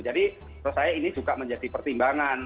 jadi menurut saya ini juga menjadi pertimbangan